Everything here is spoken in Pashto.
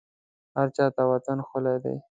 هرچا ته وطن ښکلی دی